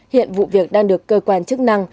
hiện vụ việc đang được cơ quan chức năng